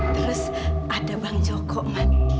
terus ada bang joko